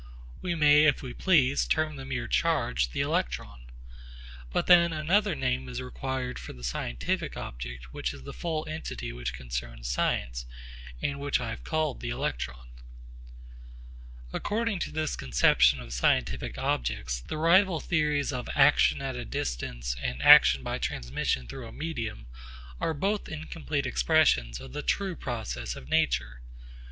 We may if we please term the mere charge the electron. But then another name is required for the scientific object which is the full entity which concerns science, and which I have called the electron. According to this conception of scientific objects, the rival theories of action at a distance and action by transmission through a medium are both incomplete expressions of the true process of nature.